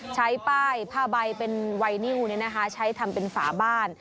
ใช้ป้ายผ้าใบเป็นวัยนิ้วเนี้ยนะคะใช้ทำเป็นฝาบ้าน